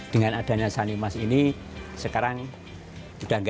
dengan adanya sanimas ini sekarang sudah enggak